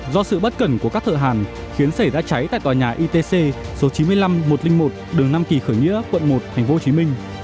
do sự bất cẩn của các thợ hàn khiến xảy ra cháy tại tòa nhà itc số chín mươi năm một trăm linh một đường nam kỳ khởi nghĩa quận một tp hcm